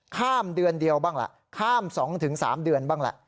ข้ามเดือนเดียวบ้างแหละข้ามสองถึงสามเดือนบ้างแหละ